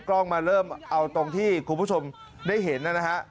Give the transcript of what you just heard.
กล้องมาเริ่มเอาตรงที่คุณผู้ชมได้เห็นนะฮะ